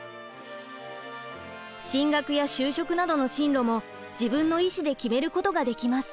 進学や就職などの進路も自分の意思で決めることができます。